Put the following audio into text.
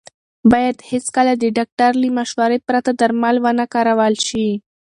باید هېڅکله د ډاکټر له مشورې پرته درمل ونه کارول شي.